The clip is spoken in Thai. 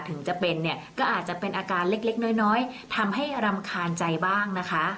ถึงจะเป็นเนี่ยก็อาจจะเป็นอาการเล็กน้อยทำให้รำคาญใจบ้างนะคะ